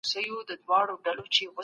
پر مځکي باندي د اوبو تالابونه جوړ سول.